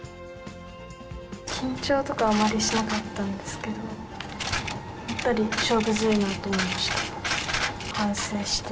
緊張とかはあまりしなかったんですけれども、やっぱり勝負強いなと思いました。